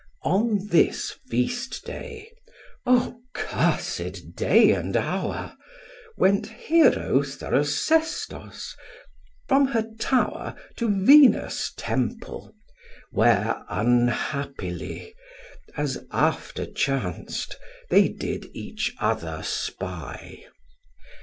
On this feast day, O cursed day and hour! Went Hero thorough Sestos, from her tower To Venus' temple, where unhappily, As after chanc'd, they did each other spy.